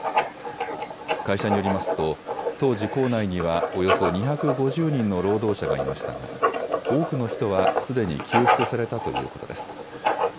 会社によりますと当時、坑内にはおよそ２５０人の労働者がいましたが多くの人はすでに救出されたということです。